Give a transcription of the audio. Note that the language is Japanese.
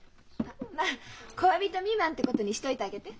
まあ恋人未満ってことにしといてあげて。